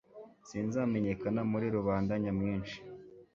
sinzamenyekana muri rubanda nyamwinshi